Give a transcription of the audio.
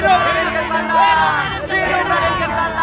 bidob raden kian santang